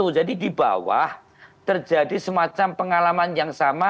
jadi di bawah terjadi semacam pengalaman yang sama